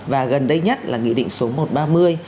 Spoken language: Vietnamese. và gần đây nhất là nghị định số một trăm ba mươi